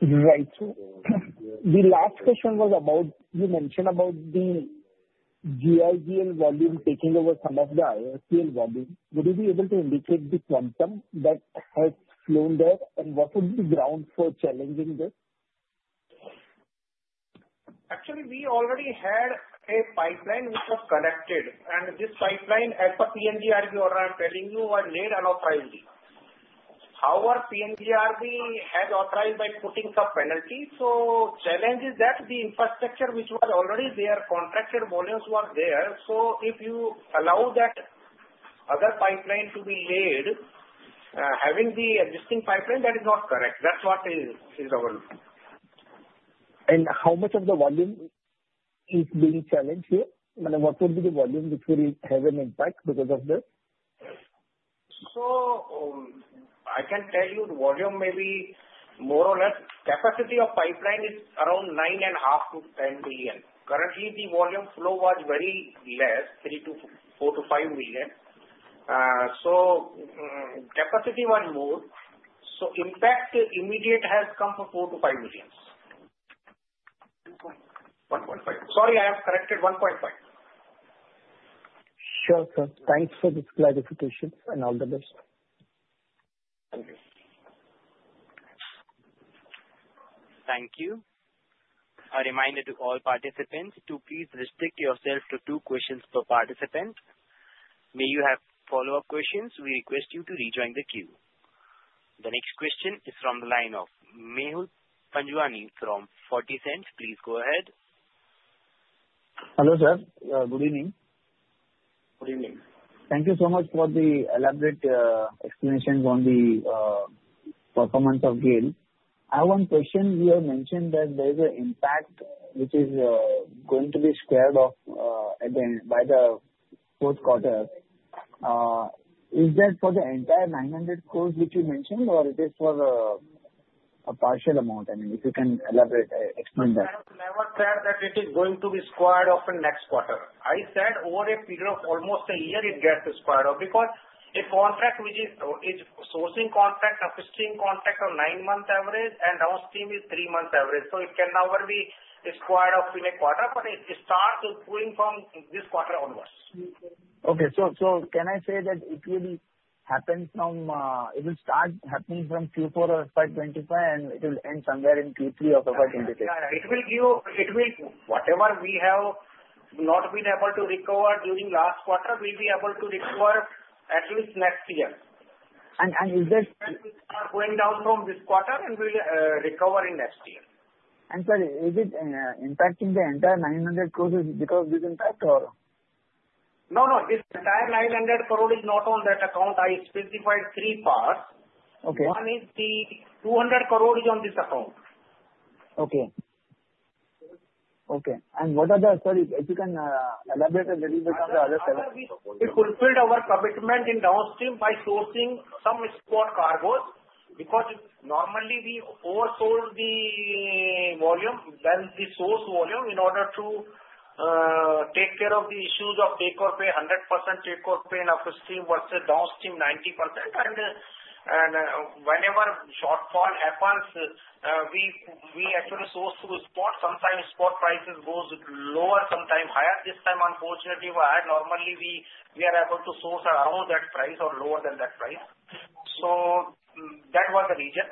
Right. The last question was about you mentioned about the IGGL volume taking over some of the GIGL volume. Would you be able to indicate the quantum that has flowed there and what would be the ground for challenging this? Actually, we already had a pipeline which was connected. And this pipeline, as per PNGRB, I'm telling you, was made unauthorized. Our PNGRB has authorized by putting some penalties. So challenge is that the infrastructure which was already there, contracted volumes were there. So if you allow that other pipeline to be laid, having the existing pipeline, that is not correct. That's what is the volume. And how much of the volume is being challenged here? What would be the volume which will have an impact because of this? So I can tell you the volume may be more or less capacity of pipeline is around 9.5-10 million. Currently, the volume flow was very less, 3-5 million. So capacity was more. So impact immediate has come for 4-5 million. 1.5. Sorry, I have corrected 1.5. Sure, sir. Thanks for this clarification and all the best. Thank you. Thank you. A reminder to all participants to please restrict yourself to two questions per participant. May you have follow-up questions? We request you to rejoin the queue. The next question is from the line of Mehul Panjwani from Fortisense. Please go ahead. Hello, sir. Good evening. Good evening. Thank you so much for the elaborate explanations on the performance of GAIL. I have one question. You have mentioned that there is an impact which is going to be squared off by the fourth quarter. Is that for the entire 900 crores which you mentioned, or it is for a partial amount? I mean, if you can elaborate, explain that. I never said that it is going to be squared off in next quarter. I said over a period of almost a year, it gets squared off because a contract which is sourcing contract, a fixing contract of nine months average, and downstream is three months average. So it can never be squared off in a quarter, but it starts going from this quarter onwards. Okay. So can I say that it will start happening from Q4 of 2025, and it will end somewhere in Q3 of 2025? It will give you whatever we have not been able to recover during last quarter. We'll be able to recover at least next year. And is that going down from this quarter and will recover in next year? And sir, is it impacting the entire 900 crores because of this impact, or? No, no. This entire 900 crores is not on that account. I specified three parts. One is the 200 crores is on this account. Okay. Okay. And what are the, sorry, if you can elaborate a little bit on the other sector. We fulfilled our commitment in downstream by sourcing some export cargoes because normally we oversold the volume, that is the source volume, in order to take care of the issues of take or pay, 100% take or pay in upstream versus downstream 90%. And whenever shortfall happens, we actually source through export. Sometimes export prices go lower, sometimes higher. This time, unfortunately, we are normally able to source around that price or lower than that price. So that was the reason.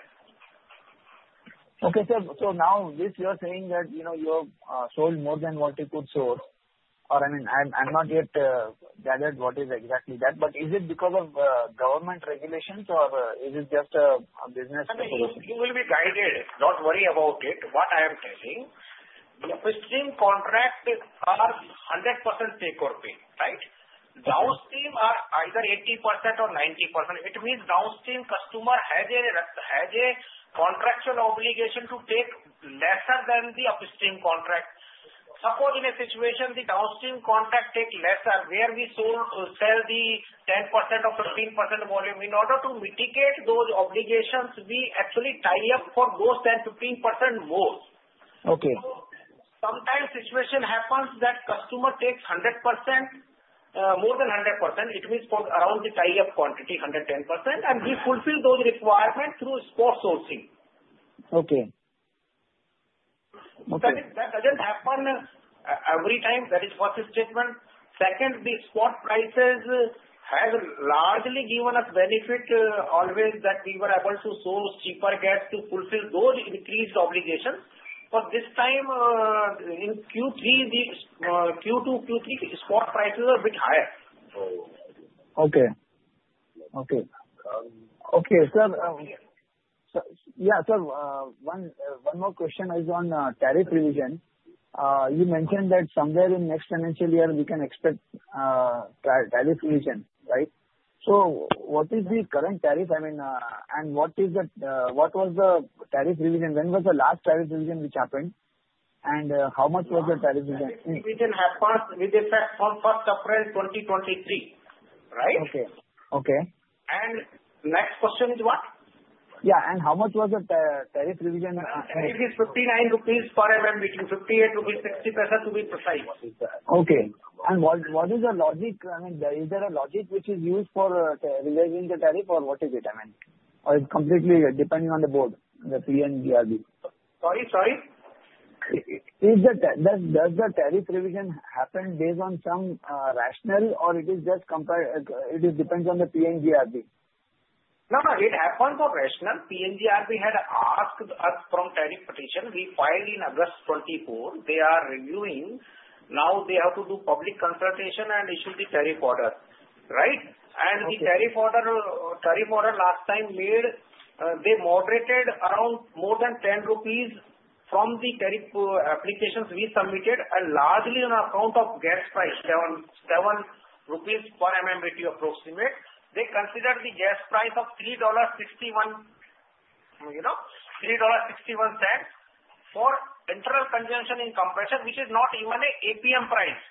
Okay. So now, this you're saying that you have sold more than what you could source. I mean, I'm not yet gathered what is exactly that. But is it because of government regulations, or is it just a business? You will be guided. Don't worry about it. What I am telling, the upstream contract is 100% take or pay, right? Downstream are either 80% or 90%. It means downstream customer has a contractual obligation to take lesser than the upstream contract. Suppose in a situation the downstream contract takes lesser, where we sell the 10% or 15% volume. In order to mitigate those obligations, we actually tie up for those 10%-15% more. Sometimes situation happens that customer takes 100%, more than 100%. It means around the tie-up quantity, 110%, and we fulfill those requirements through export sourcing. That doesn't happen every time. That is first statement. Second, the export prices have largely given us benefit always that we were able to source cheaper gas to fulfill those increased obligations, but this time, in Q2, Q3, export prices are a bit higher. Okay. Okay. Okay. Sir, yeah, sir, one more question is on tariff revision. You mentioned that somewhere in next financial year, we can expect tariff revision, right? So what is the current tariff? I mean, and what was the tariff revision? When was the last tariff revision which happened? And how much was the tariff revision? We didn't have passed with effect from 1st April 2023, right? Okay. Okay. And next question is what? Yeah. And how much was the tariff revision? Tariff is INR 59 per between INR 58-INR 60 to be precise. Okay. And what is the logic? I mean, is there a logic which is used for revising the tariff, or what is it? I mean, or it's completely depending on the board, the PNGRB? Sorry, sorry? Does the tariff revision happen based on some rationale, or it is just compared? It depends on the PNGRB. No, no. It happens on rationale. PNGRB had asked us from tariff petition. We filed in August 2024. They are reviewing. Now they have to do public consultation and issue the tariff order, right? And the tariff order last time made, they moderated around more than 10 rupees from the tariff applications we submitted, and largely on account of gas price, 7 rupees per MMBtu approximate. They considered the gas price of $3.61 for internal consumption in compression, which is not even an APM price.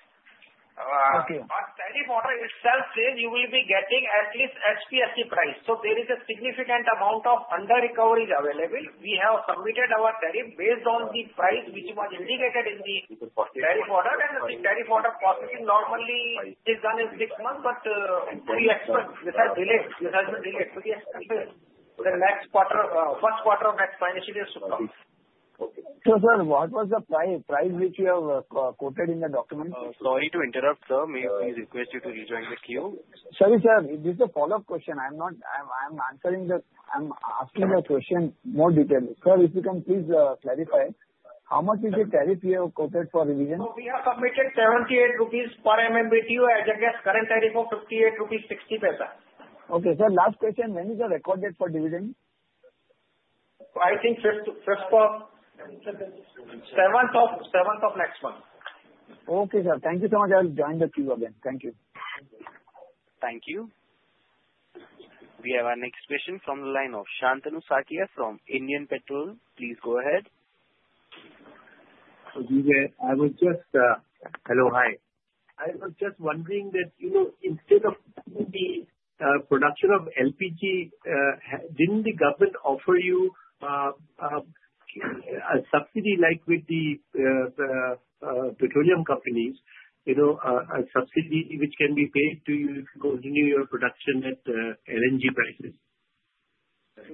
But tariff order itself says you will be getting at least HH price. So there is a significant amount of under-recovery available. We have submitted our tariff based on the price which was indicated in the tariff order. And the tariff order processing normally is done in six months, but this has been delayed. So the next quarter, first quarter of next financial year should come. So sir, what was the price which you have quoted in the document? Sorry to interrupt, sir. May we request you to rejoin the queue? Sorry, sir. This is a follow-up question. I'm asking the question more detailed. Sir, if you can please clarify, how much is the tariff you have quoted for revision? We have committed INR 78 per MMBtu as against current tariff of INR 58.60. Okay. Sir, last question. When is the record date for dividend? I think 7th of next month. Okay, sir. Thank you so much. I'll join the queue again. Thank you. Thank you. We have our next question from the line of Santanu Saikia from IndianPetro. Please go ahead. Hello, hi. I was just wondering that instead of the production of LPG, didn't the government offer you a subsidy like with the petroleum companies, a subsidy which can be paid to you if you continue your production at LNG prices?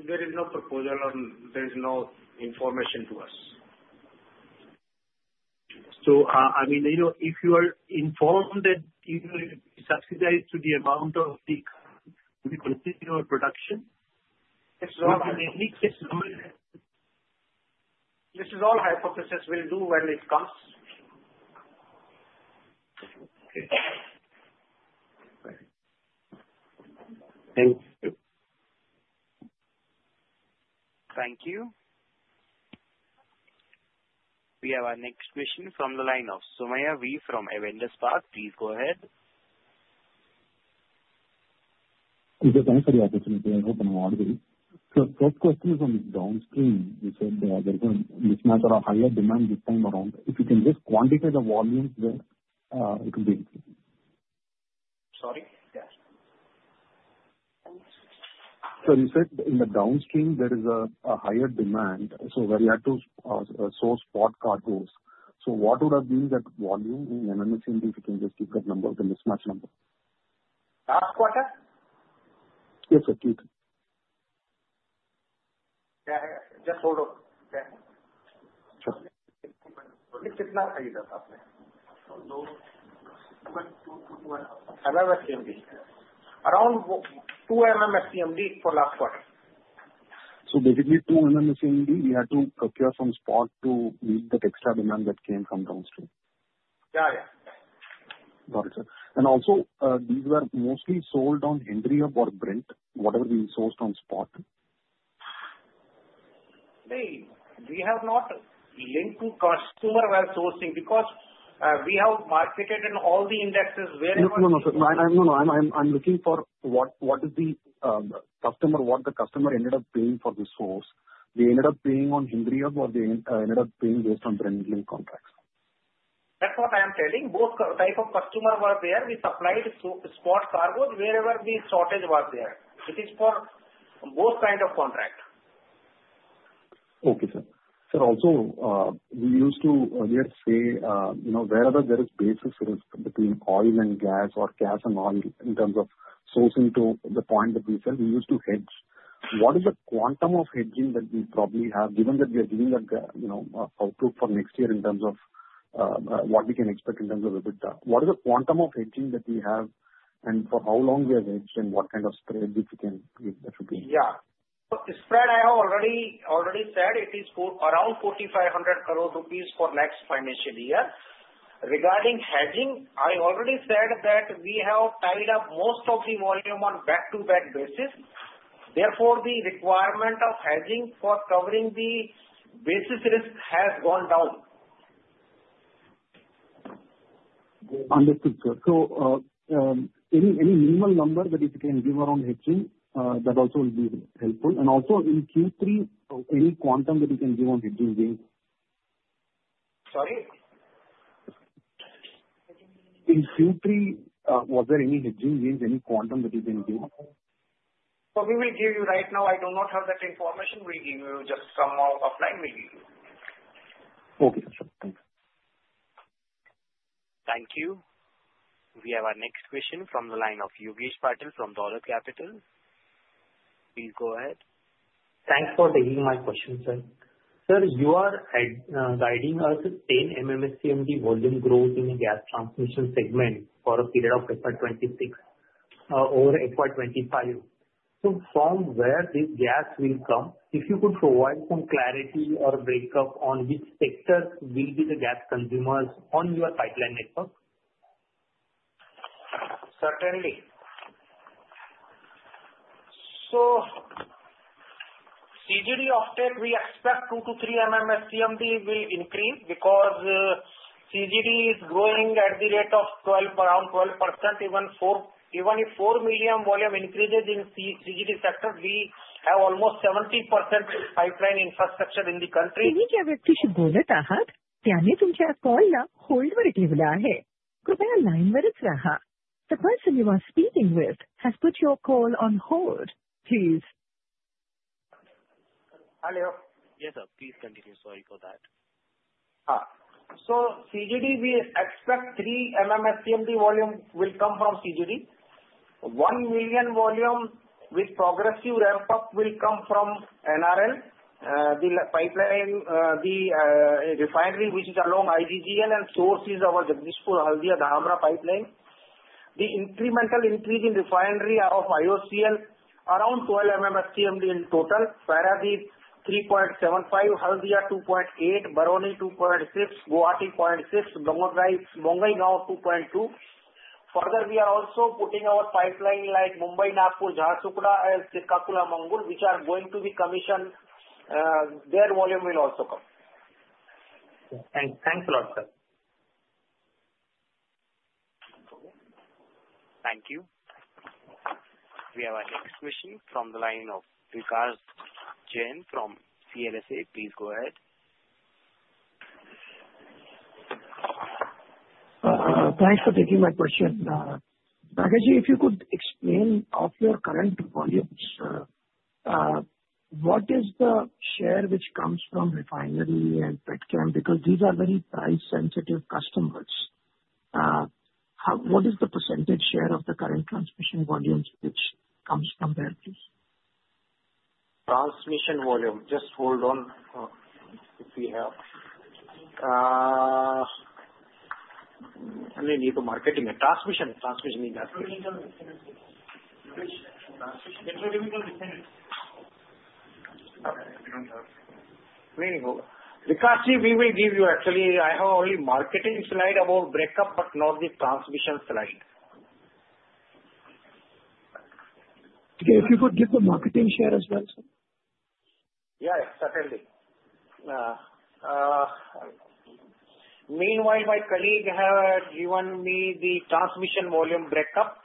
There is no proposal, and there is no information to us. So I mean, if you are informed that you will subsidize to the amount of the continued production, this is all hypothesis. We'll do when it comes. Okay. Thank you. Thank you. We have our next question from the line of Sumaya V from Avendus Spark. Please go ahead. Thank you so much for the opportunity. I hope I'm audible. So first question is on the downstream. You said there is a mismatch or a higher demand this time around. If you can just quantitate the volumes there, it would be helpful. Sorry? Yes. So you said in the downstream, there is a higher demand, so we have to source spot cargoes. So what would have been that volume in MMSCMD if you can just give that number, the mismatch number? Last quarter? Yes, sir. Please. Yeah. Just hold on. Sure. Around 2 MMSCMD for last quarter. So basically, 2 MMSCMD, we had to procure some spot to meet that extra demand that came from downstream. Yeah, yeah. Got it, sir. And also, these were mostly sold on Henry or Brent, whatever we sourced on spot? We have not linked to customer where sourcing because we have marketed in all the indexes wherever. No, no, sir. No, no. I'm looking for what is the customer, what the customer ended up paying for the source. They ended up paying on Henry or they ended up paying based on Brent linked contracts. That's what I am telling. Both types of customer were there. We supplied spot cargoes wherever the shortage was there. It is for both kinds of contract. Okay, sir. Sir, also, we used to say wherever there is basis between oil and gas or gas and oil in terms of sourcing to the point that we said, we used to hedge. What is the quantum of hedging that we probably have, given that we are giving that output for next year in terms of what we can expect in terms of EBITDA? What is the quantum of hedging that we have, and for how long we have hedged, and what kind of spread that we can attribute? Yeah. The spread I have already said, it is around 4,500 crores rupees for next financial year. Regarding hedging, I already said that we have tied up most of the volume on back-to-back basis. Therefore, the requirement of hedging for covering the basis risk has gone down. Understood, sir. So any minimal number that you can give around hedging, that also will be helpful. And also, in Q3, any quantum that you can give on hedging gains? Sorry? In Q3, was there any hedging gains, any quantum that you can give? What we will give you right now, I do not have that information. We'll give you just some offline. We'll give you. Okay, sir. Thank you. Thank you. We have our next question from the line of Yogesh Patil from Dolat Capital. Please go ahead. Thanks for taking my question, sir. Sir, you are guiding us 10 MMSCMD volume growth in the gas transmission segment for a period of FY 2026 over FY 2025. So from where this gas will come, if you could provide some clarity or break-up on which sectors will be the gas consumers on your pipeline network? Certainly. So CGD uptake, we expect 2 to 3 MMSCMD will increase because CGD is growing at the rate of around 12%. Even if 4 million volume increases in CGD sector, we have almost 70% pipeline infrastructure in the country. तुम्ही ज्या व्यक्तीशी बोलत आहात, त्याने तुमच्या कॉलला होल्डवर ठेवला आहे. कृपया लाईनवरच राहा. The person you are speaking with has put your call on hold. Please. Hello. Yes, sir. Please continue. Sorry for that. Ha. So CGD, we expect 3 MMSCMD volume will come from CGD. 1 million volume with progressive ramp-up will come from NRL. The pipeline, the refinery which is along IGGL and sources of Jagdishpur Haldia-Dhamra pipeline. The incremental increase in refinery of IOCL, around 12 MMSCMD in total. Paradip 3.75, Haldia 2.8, Barauni 2.6, Koyali 0.6, Bongaigaon 2.2. Further, we are also putting our pipeline like Mumbai-Nagpur, Jharsuguda, and Srikakulam-Angul, which are going to be commissioned. Their volume will also come. Thanks a lot, sir. Thank you. We have our next question from the line of Vikas Jain from CLSA. Please go ahead. Thanks for taking my question. Rakesh-ji, if you could explain of your current volumes, what is the share which comes from refinery and petchem. Because these are very price-sensitive customers. What is the percentage share of the current transmission volumes which comes from there, please? Transmission volume. Just hold on if we have. I need to marketing it. Transmission. Petrochemical demand. Okay. We don't have. Vikas, we will give you. Actually, I have only marketing slide about breakup, but not the transmission slide. Okay. If you could give the marketing share as well, sir. Yeah. Certainly. Meanwhile, my colleague has given me the transmission volume breakup,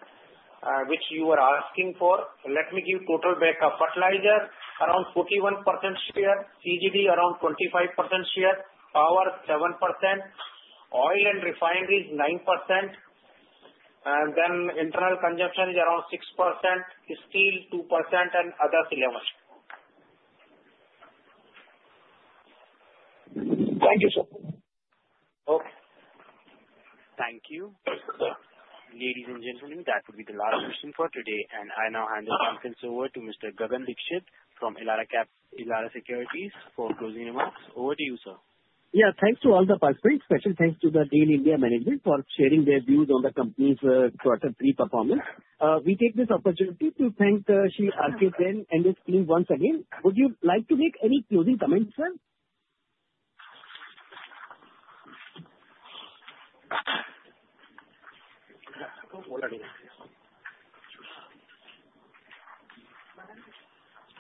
which you were asking for. Let me give total breakup. Fertilizer, around 41% share. CGD, around 25% share. Power, 7%. Oil and refineries, 9%. And then internal consumption is around 6%. Steel, 2%, and others 11%. Thank you, sir. Okay. Thank you. Ladies and gentlemen, that would be the last question for today. And I now hand the conference over to Mr. Gagan Dixit from Elara Securities for closing remarks. Over to you, sir. Yeah. Thanks to all the participants. Special thanks to the GAIL India management for sharing their views on the company's Quarter 3 performance. We take this opportunity to thank Shri Arijit and his team once again. Would you like to make any closing comments, sir?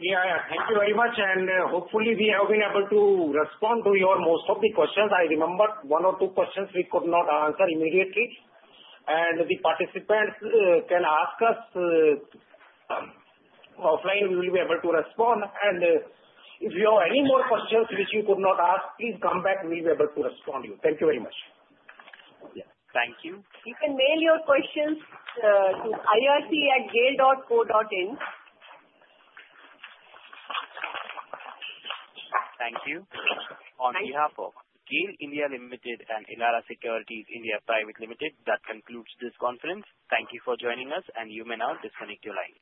Yeah. Thank you very much. And hopefully, we have been able to respond to your most of the questions. I remember one or two questions we could not answer immediately. And the participants can ask us offline. We will be able to respond. And if you have any more questions which you could not ask, please come back. We will be able to respond to you. Thank you very much. Thank you. You can mail your questions to ir@gail.co.in. Thank you. On behalf of GAIL (India) Limited and Elara Securities India Private Limited, that concludes this conference. Thank you for joining us, and you may now disconnect your lines.